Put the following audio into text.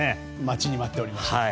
待ちに待っておりました。